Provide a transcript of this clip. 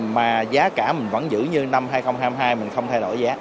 mà giá cả mình vẫn giữ như năm hai nghìn hai mươi hai mình không thay đổi giá